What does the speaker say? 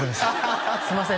すいません